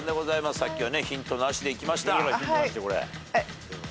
さっきはねヒントなしでいきました。